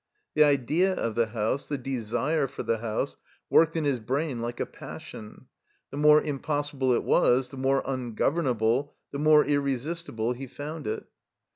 The idea of the house, the desire for the house worked in his brain like a passion; the more impossible it was, the more tmgovemable, the more irresistible he found it.